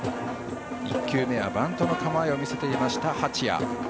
１球目はバントの構えを見せていた八谷。